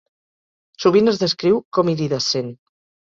Sovint es descriu com iridescent.